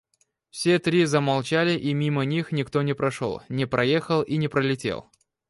Все три замолчали и мимо них никто не прошел, не проехал и не пролетел.